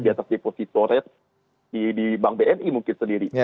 di atas deposito rate di bank bni mungkin sendiri